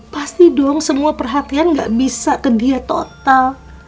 pasti dong semua perhatian gak bisa ke dia total